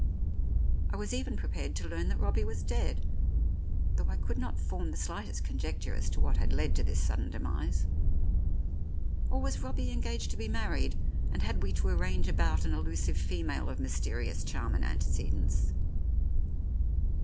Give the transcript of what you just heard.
I was even prepared to learn that Robbie was dead, though I could not form the slightest conjecture as to what had led to this sudden 106 The Oriolists demise. Or was Robbie engaged to be married, and had we to arrange about an elusive female of mysterious charm and antecedents